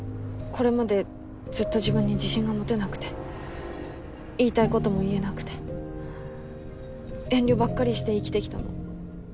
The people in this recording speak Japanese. これまでずっと自分に自信が持てなくて言いたい事も言えなくて遠慮ばっかりして生きてきたの。